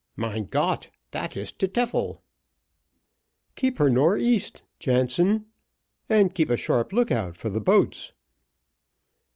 "Mein Got dat is de tyfel." "Keep her nor east, Jansen, and keep a sharp look out for the boats."